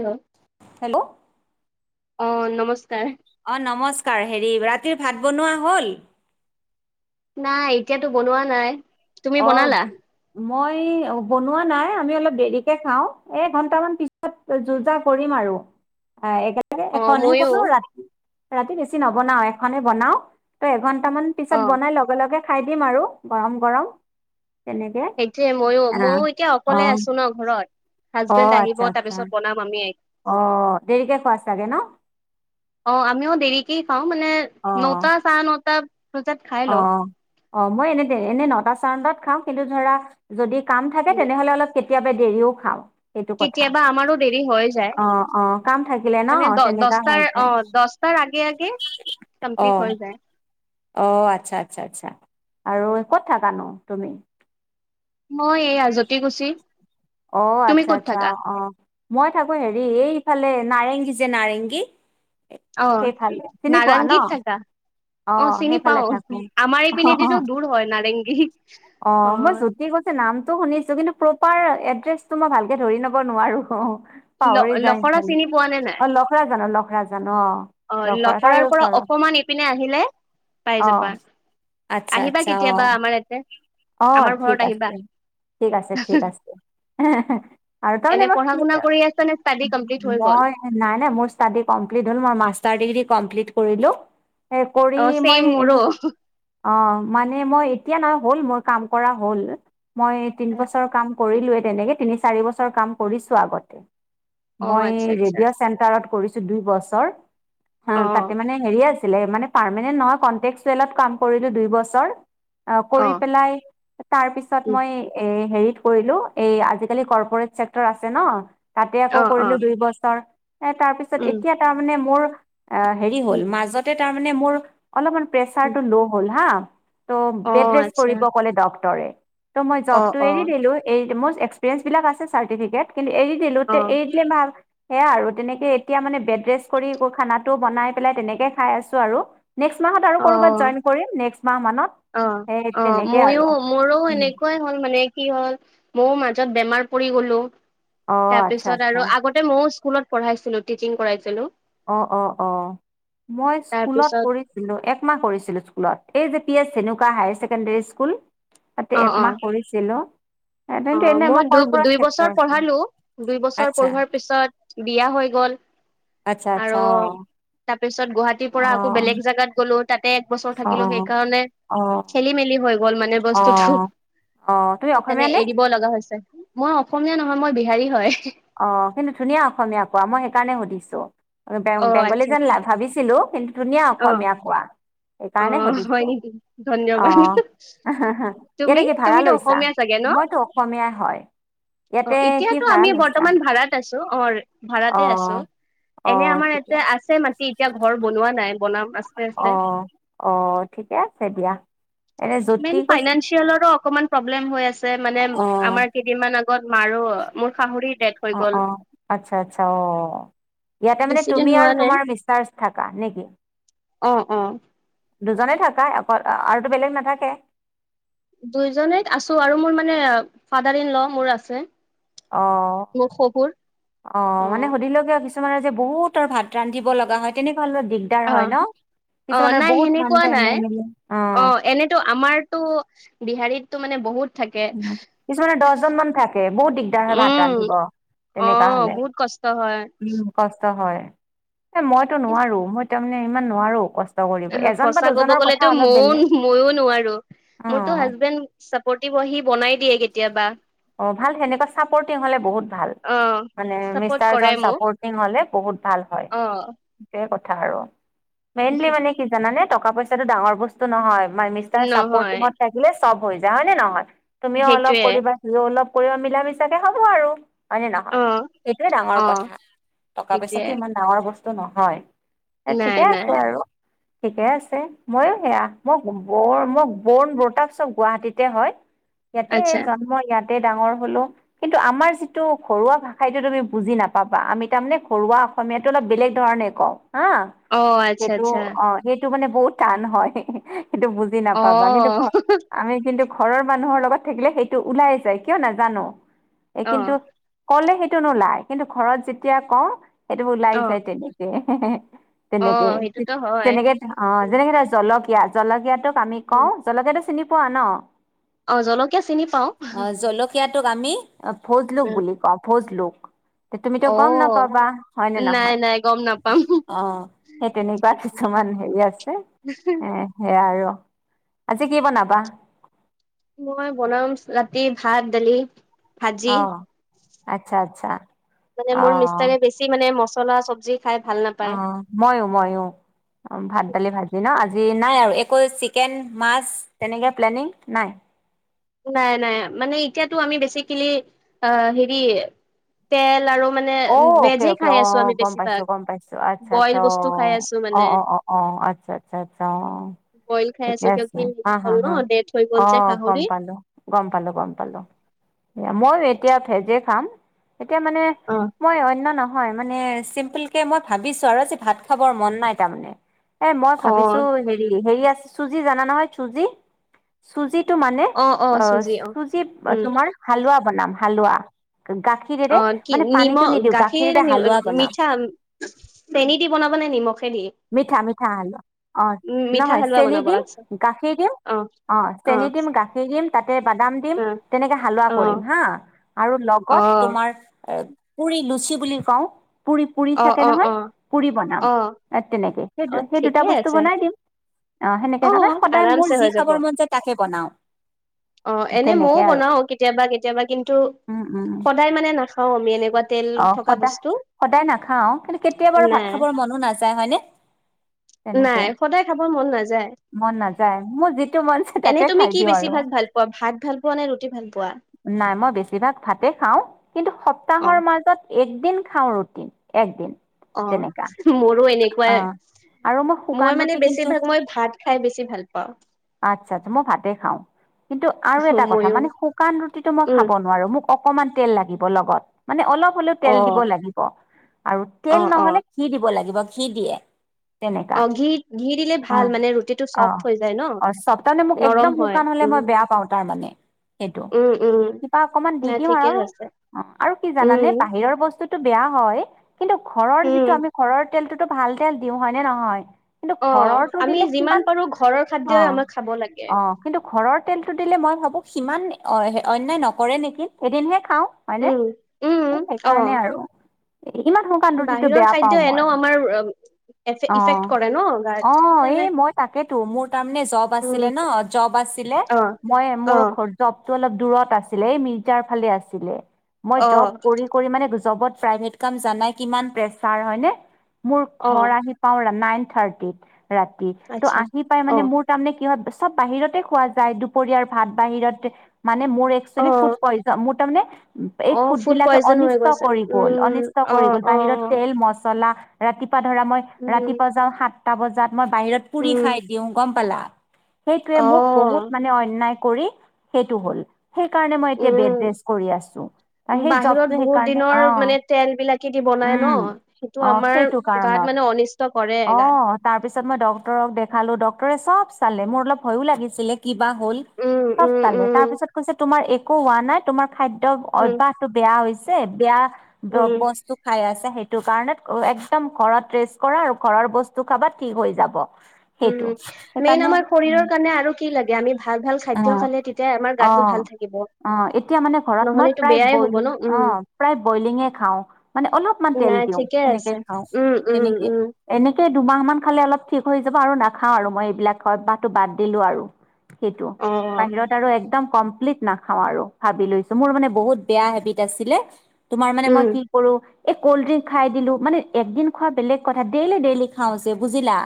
Hello. Hello অ নমস্কাৰ অ নমস্কাৰ হেৰি ৰাতিৰ ভাত বনোৱা হল নাই এতিয়াতো বনোৱা নাই তুমি বনালা অ মই বনোৱা নাই আমি অলপ দেৰিকে খাও এঘন্টামান পিছত যোজা কৰিম আৰু [unintelligible] অ' এখনেহ ময়ো বনাও ৰাতি ৰাতি বেছি নবনাও এখনে বনাও তই এখন কটামান পিছত অ'। বনাই লগে লগে খাই দিম আৰু গৰম গৰম তেনেকে সেইটোয়ে ময়ো ময়ো এতিয়া আহ অ অকলে আছো ন ঘৰত অ হাজবেণ্ড আচ্ছা আহিব তাৰ আচ্ছা পিছত বনাম আমি অ দেৰিকে খোৱাচ চাগে ন চাওঁ মানে অ নটা চাৰে নটা বজাত খাই লওঁ অ', অ মই এনে এনেই নটা চাৰে ন টাত খাওঁ কিন্তু ধৰা যদি কাম থাকে উম। তেনেহলে অলপ কেতিয়াবা দেৰিও খাওঁ সেইটো কথা কেতিয়াবা আমাৰো দেৰি হৈ যায় অ', অ', কাম থাকিলে ন মানে দ তেনেকা হৈ দহটাৰ অ যায়। দহটা আগে আগে কমপ্লিট অ', হৈ যায় অ আচ্ছা আচ্ছা আচ্ছা আৰু ক'ত থাক নো তুমি মই এই আজতি গুছি অ আচ্ছা আচ্ছা অ মই থাকো হেৰি এই ইফালে নাৰেংগী যে নাৰেংগী অ' সেইফালে চিনি পোৱা ন নাৰেংগীত থাকা? অ চিনি সেইফালে পাও থাকো। আমাৰ এইপিনে দি অ', টো দূৰ হয় নাৰেংগী অ মই জ্যোতি কৈছে নামটো শুনিছো কিন্তু প্ৰপাৰ এড্ৰেছটো মই ভালকে ধৰি নব নোৱাৰো অ ল পাহৰি যায় লখৰা খালে চিনি পোৱা নে নাই? অ লখৰা জান লখৰা ন অ' লগ তাৰে লখৰাৰ পৰা ওচৰত অকমান ইপিনে আহিলে পাই অ যাবা। আচ্ছা আহিবা আচ্ছা অ কেতিয়াবা আমাৰ ইয়াতে, অ আমাৰ ঘৰত ঠিক আহিবা। আছে ঠিক আছে ঠিক আছে আৰু তামানে এনে পঢ়া কি শুনা কৰি আছা নে ষ্টাডি কমপ্লিট হৈ গ'ল? মই নাই নাই মোৰ ষ্টাডী কমপ্লিত হল মই মাষ্টাৰ ডিগ্ৰী কম্প্লিতদ কৰিলোঁ কৰি অ' মই ছেম মোৰো। এনেই অ মানে মই এতিয়া নাই হ'ল মই কাম কৰা হ'ল মই তিন বছৰ কাম কৰিলো তিনি চাৰি বছৰ কাম কৰিছোঁ আগতে অ' মই আচ্ছা আচ্ছা। ৰেডিও চেণ্টাৰত কৰিছোঁ দুই বছৰ হ অ' তাতে মানে হেৰি আছে পাৰ্মিনেত নাছিলে কন্তেকটোৱেল কৰিলো দুই বছৰ অ কৰি পেলাই তাৰ পিছত উম, মই এ হেৰিত কৰিলো এই আজিকালি কৰ্পৰেট চেক্টৰ আছে ন তাতে আকৌ অ' কৰিলো অ' দুই বছৰ তাৰপিছত উম, এতিয়া তাৰমানে মোৰ আহ হেৰি উম, হ'ল মাজতে তাৰমানে মোৰ অলপমান প্ৰেচাৰ উম। টো ল' হ'ল হা ত' বেড অ' ৰেষ্ট আচ্ছা। কৰিব ক'লে ডক্টৰে ত মই অ' জবটো এৰি অ' দিলো এ একসিপিয়েনঞ্চ বিলাক চ্টে কিন্তু এৰি দিলো অ' এ দিলে সেয়া আৰু তেনেকে এতিয়া মানে বেড ৰেষ্ট কৰি খানাটো বনাই পেলাই তেনেকে খাই আছো আৰু নেক্সট মাহত আৰু কৰ'ৰবাত অ' জইন কৰিম নেক্সট মাহ মানত অ সেই অ তেনেকে আৰু মইো মোৰো উম, এনেকুৱাই হ'ল মানে কি হ'ল? ময়ও মাজত বেমাৰ পৰি গ'লো অ আচ্ছা তাৰপিছত আচ্ছা আৰু আগতে মইও স্কুলত পঢ়াইছিলো টিচিং কৰাইছিলো অ অ অ মই স্কুলত তাৰপিছত পঢ়ছিলো এক মাহ কৰিছিলো স্কুলত জে পি এছ চেনুকা হায়াৰ ছেকেণ্ডৰী স্কুল অ ততে অ একমাহ কৰিছিলো এ অ কিন্তু এনে মই দু কৰ্পৰেট দুই চেক্টৰ বছৰ আছে পঢ়ালো দুই বছৰ আচ্ছা পঢ়োৱাৰ পিছত বিয়া হৈ গ'ল আচ্ছা আচ্ছা অ তাৰ পিছত গুৱাহাটীৰ পৰা আকৌ বেলেগ জাগগাত গলো তাতে এক বছৰ অ অ থাকিলো সেইকাৰণে অ খেলি মেলি হৈ গ'ল মানে অ বস্তুটো অ তুমি অসমীয়া নে লগ মই অসমীয়া নহয় মই বিহাৰী হয়। অ কিন্তু ধুনীয়া অসমীয়া কোৱা মই সেইকাৰণে সুধিছো হে অ বেংগলী আচ্ছা আচ্ছা জানলা ভাবিছিলো কিন্তু ধুনীয়া অসমীয়া অ কোৱা অ সেইকাৰণে হয় সুধিছো নেকি অ ধন্যবাদ তুমি ইয়াতে কি ভা় তুমিতো লৈছা অসমীয়া চাগে ন মইতো অসমীয়াই হয়। অ ইয়াতে কি এতিয়াতো ভাড়া আমি লৈছা? বৰ্তমান ভাড়াত আছো অ ভাড়াতে আছো অ', এনে অ', আমাৰ ঠিকে ইতে আছে মাটি এতিয়া ঘৰ বনোৱা নাই বনাম আস্তে আস্তে অ', অ ঠিকে আছে দিয়া। এনে জ্যোতি মন কৈছিল ফাইনেঞ্চিয়েলৰো অকমান প্ৰব্লেম হৈ আছে মানে অ', আমাৰ কেইদিন আগত মাৰো মোৰ শাহুৰি ডেথ হৈ অ গ'ল অ আচ্ছা আচ্ছা অ ইয়াতে মানে বেছি দিন তুমি হোৱা আৰু নাই তোমাৰ মিষ্টাৰছ থাকা নেকি? অ অ দুজনে থাকা অকল আৰুতো বেলেগ নাথাকে দুইজনেই আছো আৰু মোৰ মানে ফাদাৰ ইন ল মোৰ আছে অ মোৰ শহুৰ অ মানে সুধিলেগে পিছ তোমাৰ বহুতৰ ভাত ৰান্ধিব লগা হয় তেনেকুৱা হলে দিগদাৰ অ হয় ন অ কিছুমানৰ নাই বহুত মানুহ সেনেকুৱা নাই ফেমেলি অ এনেতো আমাৰতো বিহাৰীত তো মানে বহুত থাকে কিছুমানে দহজনমান থাকে বহুত দিগদাৰ হয় ভাত উম ৰান্ধিব অ তেনেকা হলে বহুত কষ্ট হয় উম ক কষ্ট হয় এ মইতো নোৱাৰো মই তাৰমানে ইমান নোৱাৰো কষ্ট কৰিব এজন বা সঁচা ক'ব দুজনৰ কথা গলেতো অলপ ময়ও বেলেগ ময়ো নোৱাৰো অ মোৰতো হাজবেণ্ড চাপৰ্টিভ হৈ সি বনাই দিয়ে কেতিয়াবা অ ভাল সেনেকুৱা চাপৰ্টিং হলে বহুত ভাল অ মানে চাপৰ্ট মিষ্টাৰ কৰে জন মোক চাপৰ্টিং হলে বহুত ভাল হয় অ হেয়ে কথা। মেইনলি মানে কি জানানে টকা পইচাটো ডাঙৰ বস্তু নহয়। মিষ্টাৰ নহয় চাপৰ্টিভট থাকিলে চব হৈ যায় হয় নে নহয় তুমিও অলপ সেইটোৱে কৰিবা। সিও অলপ কৰিব মিলা মিছাকে হ'ব আৰু হয় নে অ নহয় এইটোৱে ডাঙৰ অ কথা টকা পইচা সেইটোৱে ইমান ডাঙৰ বস্তু নহয়। নাই ঠিকে নাই আছে আৰু ঠিকে আছে মইও সেয়া মই ব মই বৰ্ণ বৰতাক চব গুৱাহাটীতে হয়। ইয়াতে আচ্ছা জন্ম ডাঙৰ হলো কিন্তু আমাৰ যিটো ঘৰুৱা ভাষাটো তুমি বুজি নাপাবা আমি তাৰ মানে ঘৰুৱা অসম অলপ বেলেগ ধৰণে কওঁ হা অ আচ্ছা সেইটো আচ্ছা অ সেইটো মানে বহুত টান হয় সেইটো বুজি অ নাপাবা কিন্তু আমি কিন্তু ঘৰৰ মানুহৰ লগত থাকিলে সেইটো ওলাই যায় কিয় নাজানো এ অ কিন্তু কলে সেইটো নোলায় কিন্তু ঘৰত যেতিয়া কওঁ সেইটো ওলাই অ যায় তেনেকে অ তেনেকে সেইটোতো হয় তেনেকে অ উম, যেনেকে ধ জলকীয়া জলকীয়াটো আমি উম। কওঁ জলকিয়াটো চিনি পোৱা ন অ জলকীয়া চিনি পাওঁ অ জলকীয়াটোক আমি ভোজলোক উম, বুলি কওঁ ভোজলোক তুমিতো অ গম নাপাবা হয় নে নাই নহয় নাই গম নাপাম অ সেই তেনেকুৱা কিছুমান হেৰি আছে এ সেয়া আৰু আজি কি বনাবা মই বনাম ৰাতি ভাত দালি ভাজি অ আচ্ছা আচ্ছা মানে অ মোৰ অ মিষ্টাৰে বেছি মানে মছলা চবজি খাই ভাল অ নাপায় ময়ো ময়ো অ ভাত ডালি ভাজি ন আ নাই আৰু একো চিকেন মাছ তেনেকে প্লেনিং নাই নাই নাই মানে এতিয়াতো আমি বেচিকেলি অ হেৰি তেল আৰু মানে অ অকে ভেজেই অকে খাই অ আছো আমি গম পাইছো বেছিভাগ গম পাইছো আচ্ছা বইল আচ্ছা অ বস্তু খাই আছো অ মানে অ অ অ আচ্ছা আচ্ছা আচ্ছা অ বইল খাই ঠিকে আছো কিয় আছে কি হা হেৰি হা হ'ল ন হা ডেথ হৈ গ'ল অ যে গম গাহৰি পালো গম পালো গম পালো হেয়া মই এতিয়া ভেজে খাম এতিয়া মানে অ মই নহয় মানে চিম্পেল কে মই ভাবিছো আৰু ভাত খাবৰ মন নাই তামানে এ মই ভাবিছো হেৰি হেৰি আছে চুজি জানা নহয় চুজি চুজিত টো মানে অ চুজি উম তোমাৰ হালোৱা বনাম হালোৱা গাখীৰেৰে অ কি মানে পানীটো নিমখ নিদিওঁ গাখীৰ গাখীৰেৰে নি হালোৱা বনাম মিঠা চেনি দি বনাব নে নিমখে দি মিঠা মিঠা হালোৱা অ উম মিঠা নহয় হালোৱা চেনি বনাব দিম আচ্ছা গাখীৰ দিম অ চেনি দিম গাখীৰ দিম তে বাদাম দিম তেনেকে হালোৱা অ অ কৰিম হা আৰু লগত তোমাৰ এ পুৰি লুচি বুলি কওঁ। পুৰি পুৰি অ অ থাকে অ নহয় অ পুৰি বনাম অ তেনেকে অ সেই সেই দুটা ঠিকে বস্তু আছে বনাই দিম। অ' সেনেকে কাৰণে সদায় আৰামছে মোৰ হৈ যি যাব খাবৰ মন যায় তাকে বনাও। অ' এনে মইও তেনেকে আৰু বনাও কেতিয়াবা কেতিয়াবা কিন্তু উম উম সদায় মানে নাখাও আমি। এনেকুৱা তেল অ থকা সদায় বস্তু। সদায় নাখাও কিন্তু কেতিয়া ভাত নাই খাবৰ মনো নাযায় হয়নে? তেনেকে নাই সদায় খাবৰ মন নাযায়। টাইম মোৰ যিত এনে তুমি কি বেছিভাগ ভাল পোৱা ভাত ভাল পোৱা নে ৰুটি ভাল পোৱা? নাই মই বেছিভাগ ভাতে খাওঁ কিন্তু স অ সপ্তাহৰ মাজত একদিন খাওঁ ৰুটী একদিন। তেনেকা অ' মোৰো অ এনেকুৱাই। আৰু শুকান মই মানে ৰুটি কিন্তু বেছিভাগ মই ভাত খাই বেছি ভাল পাওঁ। আচ্ছা আচ্ছা, মই ভাতে খাওঁ কিন্তু আৰু এটা কথা ময়ো মানে শুকান ৰুটিটো মই উম খাব নোৱাৰো মোক অক অকমান তেল লাগিব লগত। মানে অলপ হ'লেও অ তেল দিব লাগিব আৰু অ তেল অ নহ'লে ঘি দিব লাগিব। ঘি দিয়ে। তেনেকা,, অ ঘি ঘি দিলে ভাল অ', মানে ৰুটিটো চফ্ট অ' হৈ যায় ন অ চপনে মোক নৰম একদম হয় শুকান হলে উম মই বেয়া পাওঁ তাৰমানে সেইটো, উম উম কিবা অকমান দি নাই দিম ঠিকেই আৰু, আছে অ আৰু কি উম জানানে বাহিৰৰ বস্তুটো বেয়া হয় কিন্তু ঘৰৰ উম যিটো আমি ঘৰৰ তেলটোতো ভাল তেল দিও হয়নে নহয়? কিন্তু অ ঘৰৰটো আমি দিলে যিমান সিমান পাৰো ঘৰৰ খাদ্যই অ', আমাক খাব লাগে অ', কিন্তু ঘৰৰ তেলটো দিলে মই ভাবো সিমান অ -অন্যায় নকৰে নিকি! এদিনহে খাওঁ হয়নে উম। উম অ সেইকাৰণে আৰু এ ইমান শুকান ৰুটিটো বাহিৰৰ বেয়া খাদ্য পাও মই। এনেও আমাৰ ইফেক্ট অ', কৰে ন গাত অ সেইকাৰণে এই মই তাকেতো মোৰ তাৰমানে জব উম আছিলে ন জব আ ছিলে অ মই অ মোৰ জব টো অলপ দূৰত আছিলে এই মিৰ্জাৰ ফালে আছিলে। মই অ জব কৰি কৰি মানে জবত প্ৰাইভেট কাম জানাই কিমান প্ৰেচাৰ হয় নে? মোৰ অ ঘৰ আহি পাও ৰা নাইন থাৰ্টিত। ৰাতি ত' আচ্ছা আহি পাই অ মানে মোৰ তাৰমানে কি হয় চব বাহিৰতে খোৱা যায় দুপৰীয়াৰ ভাত বাহিৰত মানে মোৰ অ একচেলি ফুড পয়জ মোত তামানে অ ফুড ফুডবিলাকে পয়জন হৈ অনিষ্ট গৈছে কৰি গ'ল উম অনিষ্ট অ কৰি গ'ল অ বাহিৰত তেল মছলা ৰাতিপুৱা ধৰা মই উম ৰাতিপুৱা যাওঁ সাতটা বজাত মই বাহিৰত পুৰি উম খাই দিওঁ গম পালা, সেইটোৱে অ মোক বহুত মানে অন্যায় কৰি সেইটো হ'ল। সেই কাৰণে মই এতিয়া বেড ৰেচ উম কৰি আছো। নাই সেই বাহিৰত জবটো বহুত সেইকাৰণে, দিনৰ অ', মানে তেল বিলাকে দি বনাই ন উম, সেইটো অ', আমাৰ সেইটো গাত কাৰণত। মানে অনিষ্ট কৰে গাত অ' তাৰ পিছত মই ডক্তৰক দেখা খালো ডক্তৰে চব চালে, মোৰ অলপ ভয়ো লাগিছিলে কিবা হ'ল উম চব উম চালে তাৰ উম পিছত কৈছে তোমাৰ একো হোৱা নাই তোমাৰ খাদ্য অ উম বেয়া হৈছে বেয়া উম বস্তু খাই আছে সেই সেইটো কাৰণ একদম ঘৰত ৰেষ্ট কৰা আৰু ঘৰৰ বস্তু খাবাত ঠিক হৈ যাব। উম, সেইটো মেইন সেইকাৰণে আমাৰ শৰীৰৰ কাৰণে আৰু কি লাগে আমি ভাল ভাল খাদ্য অ', খালে তেতিয়া আমাৰ গাতো অ'। ভাল থাকিব। অ' এতিয়া মানে ঘৰত মই প্ৰা নহলেতো প্ৰায় বেয়াই হ'ব বইলিঙ ন উম, অ' প্ৰায় বইলিঙে খাওঁ মানে অলপমান তেল নাই দিওঁ ঠিকে সেনেকে আছে। খাওঁ। উম, উম, এনেকে উম, এনেকে সেই দুমাহ মান খালে অলপ ঠিক হৈ যাব আৰু নাখাওঁ আৰু মই এইবিলাক খোৱা অভ্যাসটো বাদ দিলো আৰু। সেইটো অ', বাহিৰত আৰু একদম কমপ্লিট নাখাও আৰু ভাবি লৈছো মোৰ মানে বহুত বেয়া হেবিট আছিলে তোমাৰ মানে উম, মই কি কৰো এই কল্ড ড্ৰিংক খাই দিলো মানে একদিন খোৱা বেলেগ কথা ডেইলি ডেইলি খাওঁ যে বুজিলা।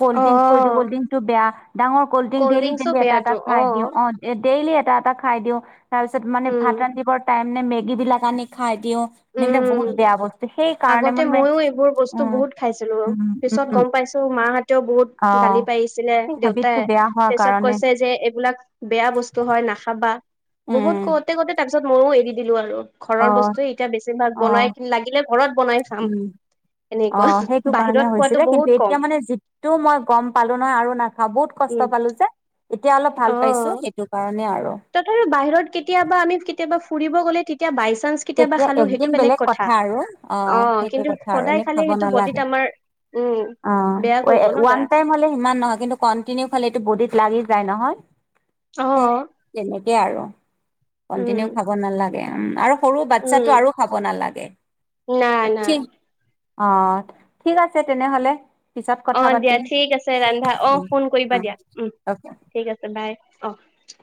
কল্ড্ৰিংক কৈ দি কল্ড অ', ড্ৰিং বেয়া ডাঙৰ কল্ড ড্ৰিং ডেলি দেলি এটা এটা খাই দিওঁ অ। ডেইলি এটা এটা খাই দিওঁ তাৰ পিছত মানে উম, ভাত ৰান্ধিবৰ টাইম নে মেগী বিলাক আনি খাই। দিও সবিলাক বহুত উম। বেয়া বস্তু সেই কাৰণে আগতে মোৰ ময়ো এইবোৰ বস্তু উম বহুত খাইছিলো উম পিছত উম গম পাইছো মাহতেও বহুত অ গালি পাৰিছিলে, সেই দেউতাই হেবিটটো তাৰ বেয়া হোৱাৰ পিছত কাৰণে কৈছে যে এইবিলাক বেয়া বস্তু হয় নাখাবা, অ বহুত কওঁতে কওঁতে তাৰ পিছত ময়ও এৰি দিলো আৰু অ ঘৰৰ বস্তুয় এ এতিয়া বেছিভাগ বনাই লাগিলে ঘৰত বনাই খাম উম অ এনেকুৱা সেইটো বাহিৰত কাৰণে খোৱাতো হৈছিলে বহুত কিন্তু কম এতিয়া মানে যিটো মই গম পালো নহয় আৰু নাখাওঁ বহুত কথা উম কষ্ট পালো যে এতিয়া অলপ অ ভাল পাইছো সেইটো কাৰণে আৰু তথাপি বাহিৰত কেতিয়াবা আমি কেতিয়াবা ফুৰিব গ'লে তেতিয়া বাইছ তেতিয়া একদিন বেলেগ কথা আৰু অ সেইটো কিন্তু কথা আৰু সদায় এনে খালে খাব সেইটো বডিত নালাগে। আমাৰ উম অ বেয়া কৰিব ন গা ওৱান টাইম হলে সিমান নহয় কিন্তু কন্টিনিউ খাললে এইটো বডিত লাগি যায় নহয় সে অ তেনেকে আৰু উম, কন্টিনিউ খাব নালাগে। উম আৰু সৰু বাচ্ছা উম, টো আৰু খাব নালাগে নাই নাই অ ঠিক আছে তেনেহলে। পিছত অ কথা দিয়া পাতিম ঠিক আছে ৰান্ধা অ ফোন অ কৰিবা দিয়া উম অকে ঠিক আছে বাই। অহ